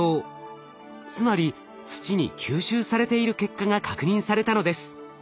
つまり土に吸収されている結果が確認されたのです。